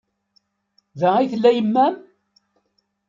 Da ay tella yemma-m?